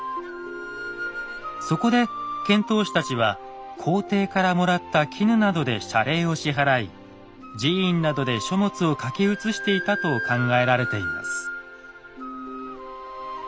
そこで遣唐使たちは皇帝からもらった絹などで謝礼を支払い寺院などで書物を書き写していたと考えられています。